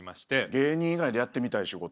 芸人以外でやってみたい仕事？